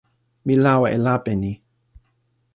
mi lawa e lape ni.